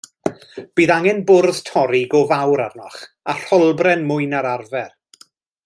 Bydd angen bwrdd torri go fawr arnoch, a rholbren mwy na'r arfer.